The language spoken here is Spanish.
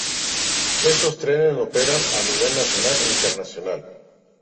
Estos trenes operan a nivel nacional e internacional.